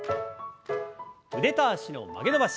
腕と脚の曲げ伸ばし。